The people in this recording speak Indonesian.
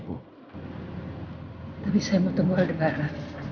tapi saya mau tunggu aldebara